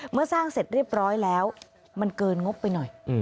เมื่อสร้างเสร็จเรียบร้อยแล้วมันเกินงบไปหน่อย